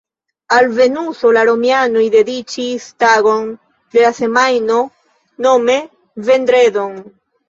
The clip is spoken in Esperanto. Al Venuso la romianoj dediĉis tagon de la semajno, nome vendredon.